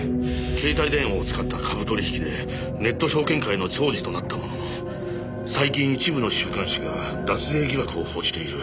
携帯電話を使った株取引でネット証券界の寵児となったものの最近一部の週刊誌が脱税疑惑を報じている。